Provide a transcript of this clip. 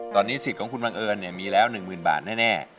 ตอนนี้สิทธิ์ของคุณบังเอิญเนี่ยมีแล้วหนึ่งหมื่นบาทแน่